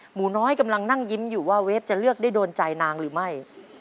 หนูน้อยกำลังนั่งยิ้มอยู่ว่าเวฟจะเลือกได้โดนใจนางหรือไม่